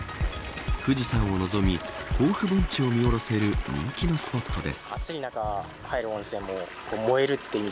富士山を望み甲府盆地を見下ろせる人気のスポットです。